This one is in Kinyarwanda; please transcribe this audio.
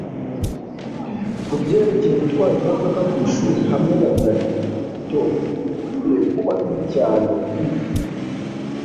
kubyerekeye gutwara imodoka ku ishuri hamwe na danny buri gitondo. ntibikwiye kuba bibi cyane, i